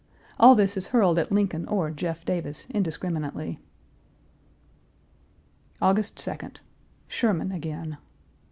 All this is hurled at Lincoln or Jeff Davis indiscriminately. August 2d. Sherman again.